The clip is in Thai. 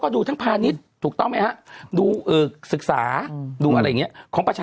ก็ดูทั้งภาณิชย์ถูกต้องไหมฮะดูศึกษาดูอะไรเงี้ยของประชา